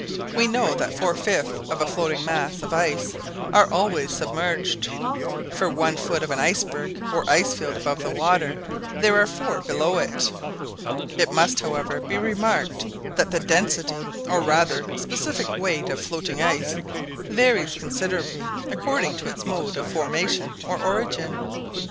We know that four fifths of a floating mass of ice are always submerged. For one foot of an iceberg or ice field above the water, there are four below it. It must, however, be remarked that the density, or rather specific weight of floating ice, varies considerably according to its mode of formation or origin.